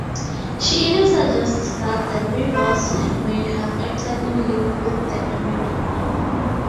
She even suggests that the rebels may have acted in league with the emir.